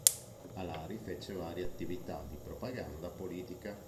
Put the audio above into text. A Lari fece varie attività di propaganda politica.